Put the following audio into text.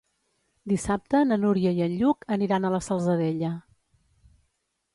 Dissabte na Núria i en Lluc aniran a la Salzadella.